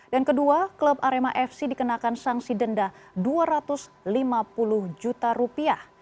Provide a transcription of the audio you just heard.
yang kedua klub arema fc dikenakan sanksi denda dua ratus lima puluh juta rupiah